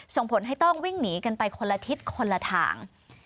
ส่งผลให้ต้องวิ่งหนีกันไปคนละทิศคนละทาง